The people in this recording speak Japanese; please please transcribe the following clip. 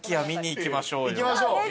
行きましょう。